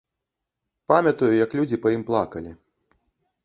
Памятаю, як людзі па ім плакалі.